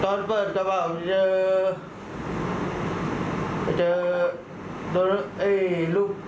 ตอนเปิดกระเป๋าจะเจอลูกผู้เสียหาย